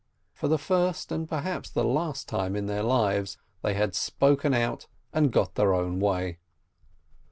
For the first and perhaps the last time in their lives, they had spoken out, and got their own way.